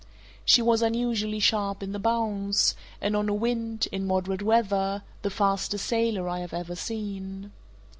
She was unusually sharp in the bows, and on a wind, in moderate weather, the fastest sailer I have ever seen.